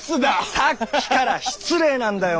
さっきから失礼なんだよッ！